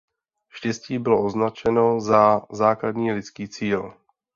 Štěstí bylo označeno za „základní lidský cíl“.